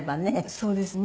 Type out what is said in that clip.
そうですね。